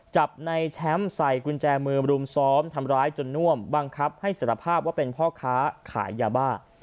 จับในแชมป์ใส่กุญแจมือรุมซ้อมทำร้ายจนน่วมบังคับให้สารภาพว่าเป็นพ่อค้าขายยาบ้า